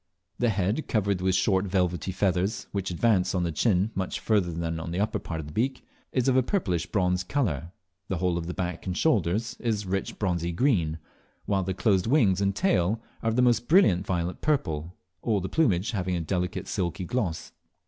The head, covered with short velvety feathers, which advance on the chic much further than on the upper part of the beak, is of a purplish bronze colour; the whole of the back and shoulders is rich bronzy green, while the closed wings and tail are of the most brilliant violet purple, all the plumage having a delicate silky gloss.